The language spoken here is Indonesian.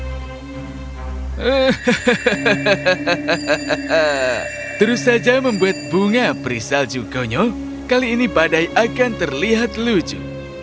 hehehe terus saja membuat bunga peri salju konyong kali ini badai akan terlihat lucu